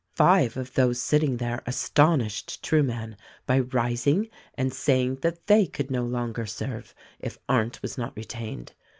Five of those sitting there astonished Trueman by rising and saying that they could no longer serve if Arndt was not retained.